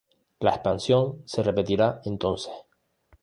La expansión se repetirá entonces.